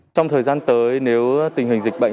trong thời gian tới nếu tình hình dịch bệnh